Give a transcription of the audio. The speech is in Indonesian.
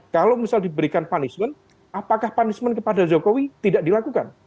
kalau misal diberikan punishment apakah punishment kepada jokowi tidak dilakukan